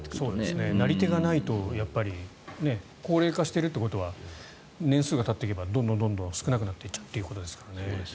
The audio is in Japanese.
なり手がないと高齢化してるってことは年数がたっていけばどんどん少なくなるということですから。